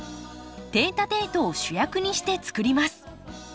テイタテイトを主役にして作ります。